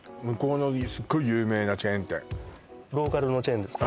ローカルのチェーンですか？